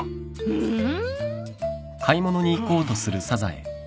うん？